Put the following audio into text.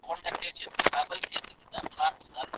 زه خپله کتابچه هم اخلم.